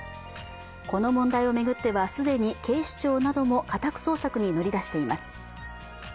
この問題を巡っては、既に警視庁なども家宅捜索に乗り出しています。